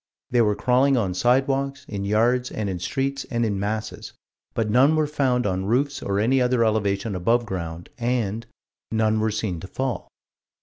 They were crawling on sidewalks, in yards, and in streets, and in masses but "none were found on roofs or any other elevation above ground" and "none were seen to fall."